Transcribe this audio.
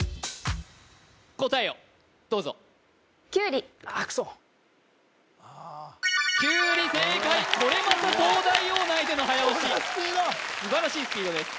答えをどうぞあクソキュウリ正解これまた東大王内での早押し素晴らしいスピードです